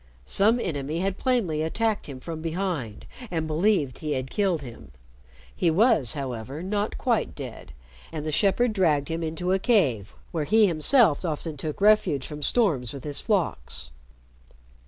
Some enemy had plainly attacked him from behind and believed he had killed him. He was, however, not quite dead, and the shepherd dragged him into a cave where he himself often took refuge from storms with his flocks.